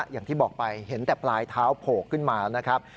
อย่างที่บอกไปเห็นแต่ปลายเท้าโผล่ขึ้นมานะครับ